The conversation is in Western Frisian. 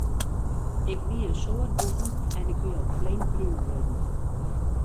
Ik wie in soad bûten en ik wie al flink brún wurden.